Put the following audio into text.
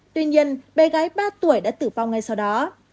tuy nhiên bé gái ba tuổi đã tử vong ngay sau đó